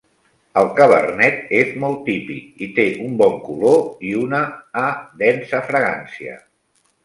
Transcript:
El cabernet és molt típic i té un bon color i una a densa fragància.